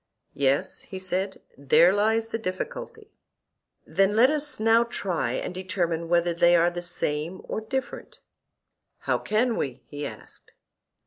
Yes, he said; there lies the difficulty. Then let us now try and determine whether they are the same or different. How can we? he asked.